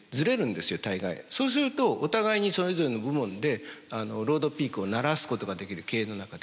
そうするとお互いにそれぞれの部門で労働ピークをならすことができる経営の中で。